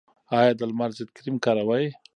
ایا د لمر ضد کریم کاروئ؟